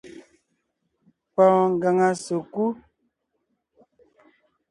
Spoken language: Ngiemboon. Pɔɔn ngaŋa sèkú .